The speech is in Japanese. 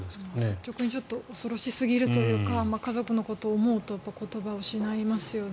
率直に恐ろしすぎるというか家族のことを思うと言葉を失いますよね。